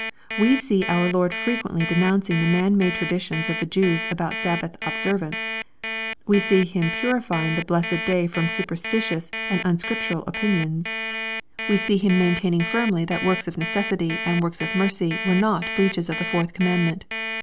We see our Lord frequently denouncing the man made traditions of the Jews about Sabbath observance. We see Him purifying the blessed day from superstitious and un scriptural opinions. We see Him maintaining firmly ihat works of necessity and works of mercy were not 488 EXPOSITORY THOUGHTS. breaches of the fourth commandment.